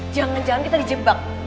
jangan jangan kita dijebak